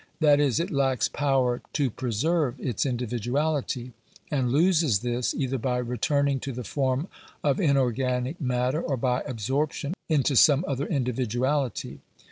That is, it lacks power to preserve its individuality; and loses this, either by returning to the form of inorganic matter, or by absorption into some other individuality.